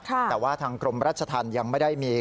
แต่ว่าทางกรมราชธรรมยังไม่ได้มี